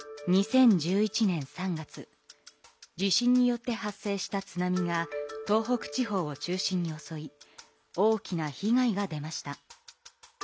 地震によって発生した津波が東北地方を中心におそい大きな被害が出ました。